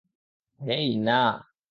হেই, না।